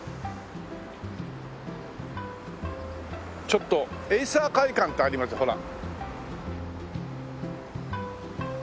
ちょっとエイサー会館ってありますほら。